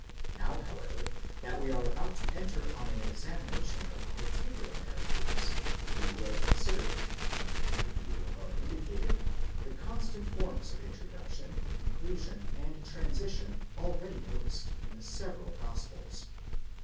Now, however, that we are about to enter on an examination of particular narra tives, we will consider, from the point of view above indicated, the constant forms of introduction, conclusion, and transition, already noticed, in the several gospels.